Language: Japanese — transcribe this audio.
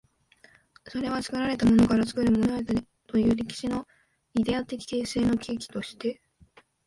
それは作られたものから作るものへという歴史のイデヤ的形成の契機として、